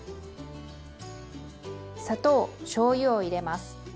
砂糖しょうゆを入れます。